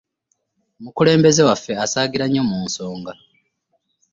Omukulembeze waffe asaagira nnyo mu nsonga.